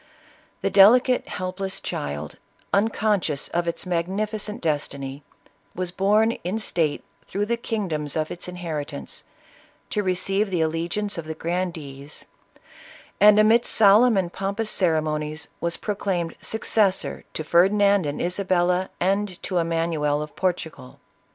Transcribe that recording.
The delicate, helpless child, un conscious of its magnificent destiny, was borne in state through the kingdoms of its inheritance, to receive the allegiance of the grandees, and amidst solemn and pompous ceremonies was proclaimed successor to Fer dinand and Isabella, and to Emanuel of Portugal.